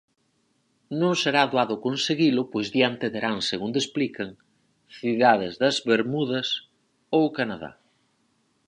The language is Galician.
Non será doado conseguilo pois diante terán, segundo explican, "cidades das Bermudas ou Canadá".